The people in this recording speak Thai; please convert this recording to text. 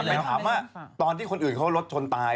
ต้องการไปถามว่าตอนที่คนอื่นเขารดชนตาย